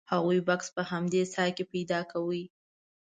هغوی بکس په همدې څاه کې پیدا کوي.